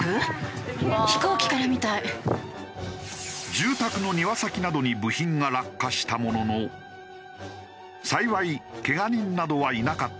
住宅の庭先などに部品が落下したものの幸いケガ人などはいなかったという。